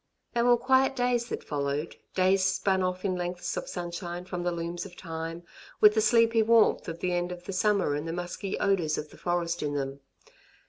They were quiet days that followed, days spun off in lengths of sunshine from the looms of Time, with the sleepy warmth of the end of the summer and the musky odours of the forest in them.